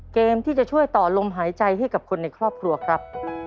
เกมที่จะช่วยต่อลมหายใจให้กับคนในครอบครัวครับ